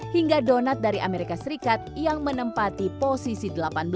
hingga donat dari amerika serikat yang menempati posisi delapan belas